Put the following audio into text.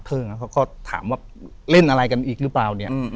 เขาก็ถามว่าเล่นอะไรกันอีกหรือเปล่าเนี่ย